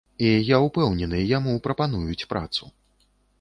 І я ўпэўнены, яму прапануюць працу.